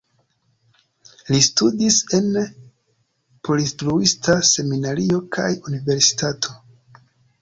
Li studis en porinstruista seminario kaj universitato.